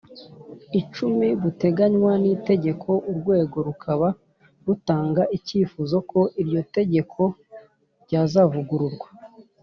icumi buteganywa n itegeko Urwego rukaba rutanga icyifuzo ko iryo tegeko ryazavugururwa